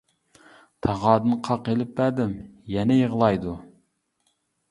تاغاردىن قاق ئېلىپ بەردىم، يەنە يىغلايدۇ.